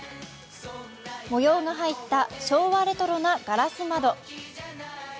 模様の入った昭和レトロなガラス窓。